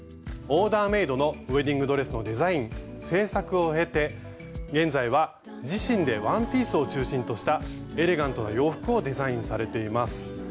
オーダーメイドのウエディングドレスのデザイン製作を経て現在は自身でワンピースを中心としたエレガントな洋服をデザインされています。